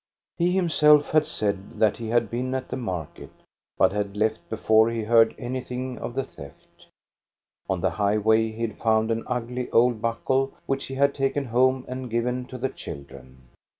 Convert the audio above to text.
He himself had said that he had been at the market, but had left before he heard an)^hing of the theft. On the highway he had found an ugly old buckle, which he had taken home and given to the children.